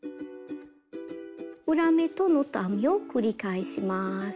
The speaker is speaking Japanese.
裏目とノット編みを繰り返します。